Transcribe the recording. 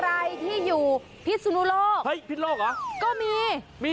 ใครที่อยู่พิสุนุลกก็มี